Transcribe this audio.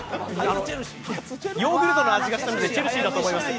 ヨーグルトの味がしたのでチェルシーだと思います。